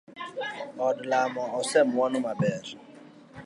Od lamo osemwon maber.